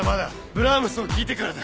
ブラームスを聴いてからだ！